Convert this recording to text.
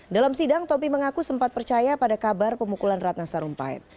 dalam sidang topi mengaku sempat percaya pada kabar pemukulan ratna sarumpait